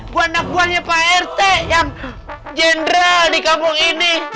buat anak buahnya pak rt yang jenderal di kampung ini